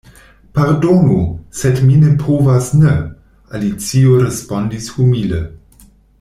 "Pardonu, sed mi ne povas ne," Alicio respondis humile.